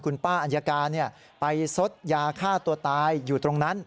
คุณป้าอัญญาการไปซดยาฆ่าตัวตายอยู่ตรงนั้น